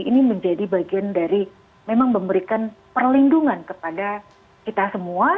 ini menjadi bagian dari memang memberikan perlindungan kepada kita semua